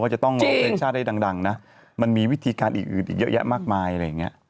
จะต้องร้องเพลงชาติให้ดังนะมันมีวิธีการอื่นอีกเยอะแยะมากมายอะไรอย่างนี้